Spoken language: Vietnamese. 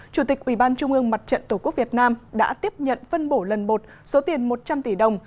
chủ tịch ubnd mặt trận tổ quốc việt nam đã tiếp nhận phân bổ lần một số tiền một trăm linh tỷ đồng